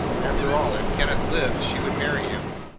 After all, if Kenneth lived she should marry him.